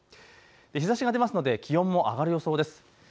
日ざしが出ますので気温も上がる予想です。